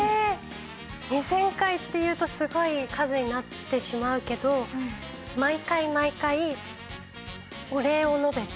２０００回っていうとすごい数になってしまうけど毎回毎回お礼を述べて。